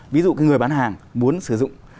ví dụ cái người bán hàng muốn sử dụng